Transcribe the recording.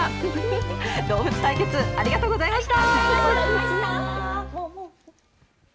動物対決ありがとうございました。